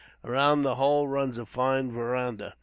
Around the whole runs a fine veranda.